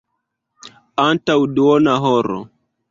Antaŭ duona horo.